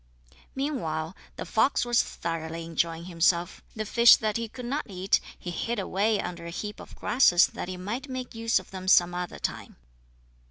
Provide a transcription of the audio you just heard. Meanwhile, the fox was thoroughly enjoying himself. The fish that he could not eat he hid away under a heap of grasses that he might make use of them some other time.